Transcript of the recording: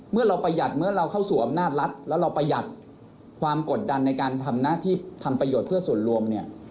เมื่อเราประหยัดเมื่อเราเข้าสู่อำนาจรัฐแล้วเราประหยัดความกดดันในการทำหน้าที่ทำประโยชน์เพื่อส่วนรวมเนี่ย